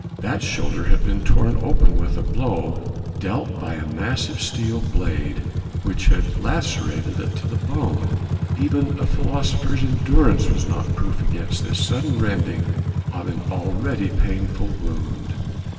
That shoulder had been torn open with a blow dealt by a massive steel blade which had lacerated it to the bone; even a philosopher's endurance was not proof against this sudden rending of an already painful wound.